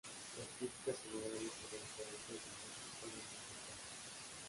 Las críticas generales sobre el carácter de Mackie fueron enfrentadas.